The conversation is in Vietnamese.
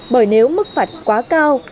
bởi nếu mức phạt quá cao